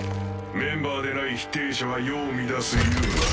メンバーでない否定者は世を乱すＵＭＡ。